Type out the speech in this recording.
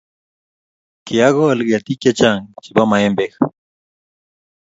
kiakol ketik chechang chebo maembek